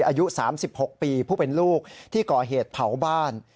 อายุ๓๖ปีผู้เป็นลูกที่ก่อเหตุเผาบ้าน